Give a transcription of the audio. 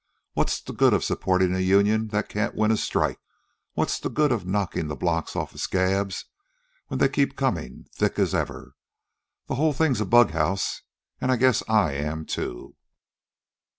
What's the good of supportin' a union that can't win a strike? What's the good of knockin' the blocks off of scabs when they keep a comin' thick as ever? The whole thing's bughouse, an' I guess I am, too."